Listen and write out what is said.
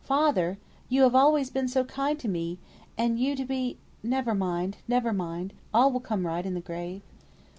Father! you have always been so kind to me, and you to be never mind never mind, all will come right in the grave."